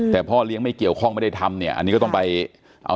แต่พ่อเลี้ยงไม่เกี่ยวข้องไม่ได้ทำเนี่ยอันนี้ก็ต้องไปเอา